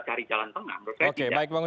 cari jalan tengah